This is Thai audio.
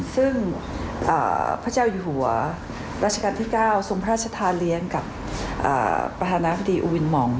ซึ่งพระเจ้าอยู่หัวรัชกาลที่๙ทรงพระราชทานเลี้ยงกับประธานาคดีอูวินหม่อง